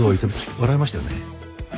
笑いましたよね？